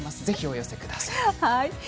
ぜひ寄せください。